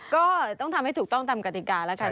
ก็ต้องทำให้ถูกต้องตามกติกาแล้วกัน